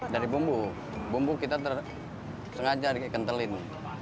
dari bumbu bumbu kita sengaja dikentelin